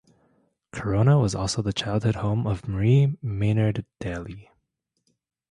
Corona was also the childhood home of Marie Maynard Daly.